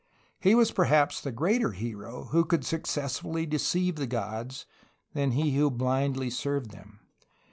He was perhaps the greater hero who could successfully deceive the gods than he who bUndly served them.